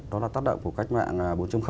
đó là tác động của cách mạng bốn